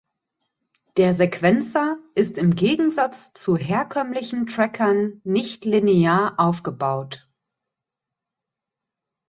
Der Sequencer ist im Gegensatz zu herkömmlichen Trackern nicht linear aufgebaut.